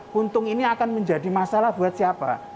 puntung ini akan menjadi masalah buat siapa